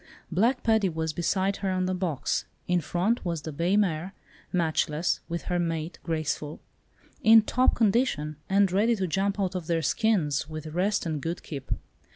Black Paddy was beside her on the box; in front was the bay mare, "Matchless," with her mate "Graceful," in top condition, and ready to jump out of their skins, with rest and good keep.